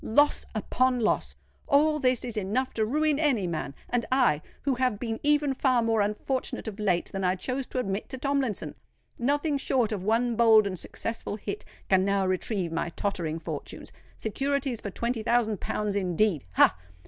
"Loss upon loss! All this is enough to ruin any man! And I—who have been even far more unfortunate of late than I chose to admit to Tomlinson! Nothing short of one bold and successful hit can now retrieve my tottering fortunes. Securities for twenty thousand pounds, indeed! Ha!